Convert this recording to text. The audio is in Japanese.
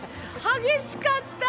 激しかった！